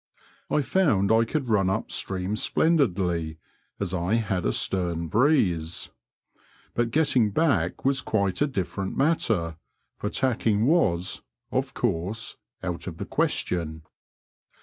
I found I could run up stream splendidly, as I had a stern breeze ; but getting back was quite a different matter, for tacking was, of course, out of the question.